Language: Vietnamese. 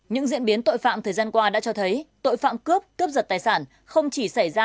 những diễn biến tội phạm thời gian qua đã cho thấy tội phạm cướp cướp giật tài sản không chỉ xảy ra